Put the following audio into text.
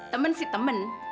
teman sih teman